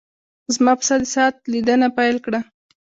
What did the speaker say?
زما پسه د ساعت لیدنه پیل کړه.